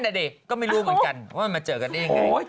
แต่เด็กก็ไม่รู้เหมือนกันว่ามันมาเจอกันได้ยังไง